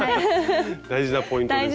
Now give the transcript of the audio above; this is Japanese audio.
大事なポイントですよね。